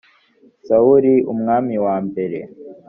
sawuli umwami wa mbere